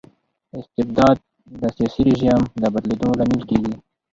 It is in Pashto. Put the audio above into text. استبداد د سياسي رژيم د بدلیدو لامل کيږي.